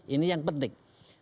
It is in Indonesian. ini yang penting